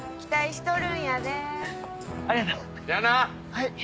はい！